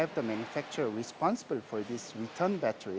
jadi anda sedang bersiap untuk kembangkan baterai